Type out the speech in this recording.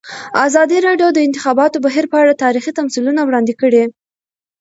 ازادي راډیو د د انتخاباتو بهیر په اړه تاریخي تمثیلونه وړاندې کړي.